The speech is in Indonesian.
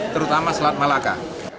terutama selat malaka